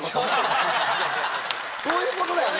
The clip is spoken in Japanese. そういうことだよね？